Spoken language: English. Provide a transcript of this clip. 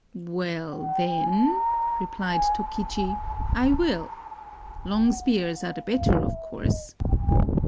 "Well, then," replied Tokichi, "I will. Long spears are the better, of course."